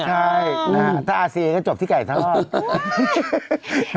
ใช่ถ้าอาเซียก็จบที่ไก่ทอด